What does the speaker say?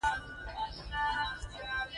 فلم د کورنۍ ژوند ښيي